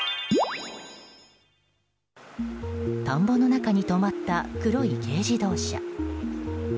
田んぼの中に止まった黒い軽乗用車。